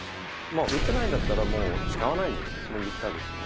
打てないんだったらもう使わないよと言ったんですよね。